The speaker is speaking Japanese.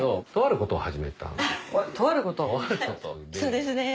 そうですね